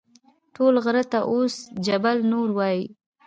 ټول غره ته اوس جبل نور وایي.